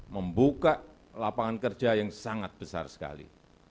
membuka lapangan kerja yang sangat besar sekali